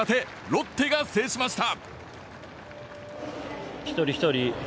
ロッテが制しました。